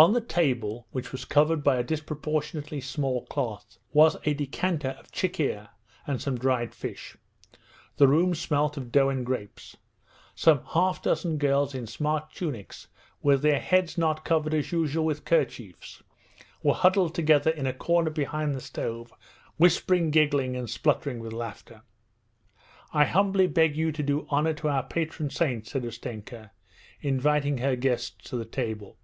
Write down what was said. On the table, which was covered by a disproportionately small cloth, was a decanter of chikhir and some dried fish. The room smelt of dough and grapes. Some half dozen girls in smart tunics, with their heads not covered as usual with kerchiefs, were huddled together in a corner behind the oven, whispering, giggling, and spluttering with laughter. 'I humbly beg you to do honour to my patron saint,' said Ustenka, inviting her guests to the table.